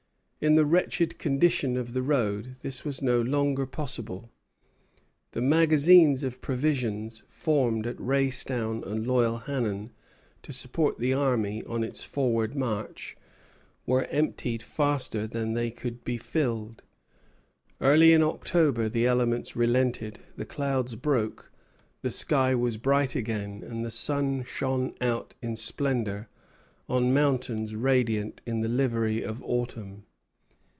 In the wretched condition of the road this was no longer possible. The magazines of provisions formed at Raystown and Loyalhannon to support the army on its forward march were emptied faster than they could be filled. Early in October the elements relented; the clouds broke, the sky was bright again, and the sun shone out in splendor on mountains radiant in the livery of autumn.